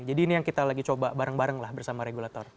jadi ini yang kita lagi coba bareng bareng lah bersama regulator